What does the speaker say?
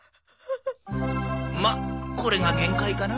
まっこれが限界かな。